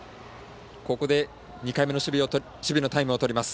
ここで２回目の守備のタイムをとります。